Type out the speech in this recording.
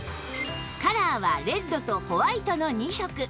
カラーはレッドとホワイトの２色